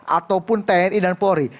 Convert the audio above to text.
ataupun tni dan polri